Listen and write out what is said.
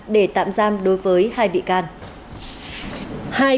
để tạm giam đối với hai bị can